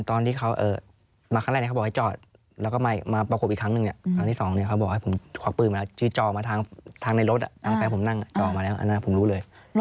ทางในรถทางแควเองผมนั่งจะออกมาแล้วนั่นผมรู้เลย